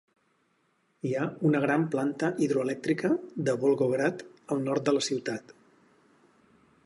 Hi ha una gran Planta hidroelèctrica de Volgograd al nord de la ciutat.